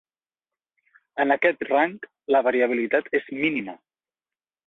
En aquest rang la variabilitat és mínima.